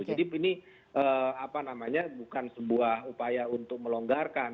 jadi ini apa namanya bukan sebuah upaya untuk melonggarkan